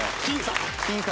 僅差？